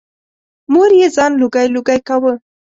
مور یې ځان لوګی لوګی کاوه.